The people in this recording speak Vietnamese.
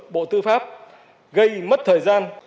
bộ tư pháp gây mất thời gian